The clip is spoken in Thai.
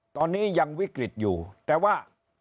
ตอนนี้ยังวิกฤตอยู่แต่ว่า